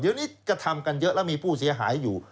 เดี๋ยวนี้กระทำกันเยอะแล้วมีผู้เสียหายอยู่